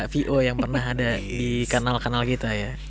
vo yang pernah ada di kanal kanal kita ya